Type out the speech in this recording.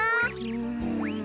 うん。